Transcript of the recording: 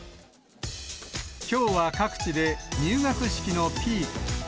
きょうは各地で入学式のピーク。